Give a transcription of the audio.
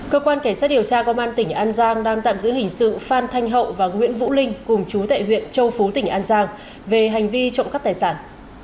cơ quan cảnh sát điều tra công an tỉnh an giang đang tạm giữ hình sự phan thanh hậu và nguyễn vũ linh cùng chú tại huyện châu phú tỉnh an giang về hành vi trộm cắp tài sản